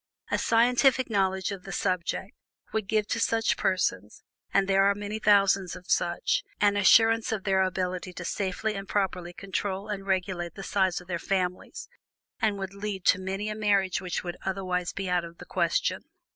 A scientific knowledge of the subject would give to such persons and there are many thousands of such an assurance of their ability to safely and properly control and regulate the size of their families, and would lead to many a marriage which would otherwise be out of the question.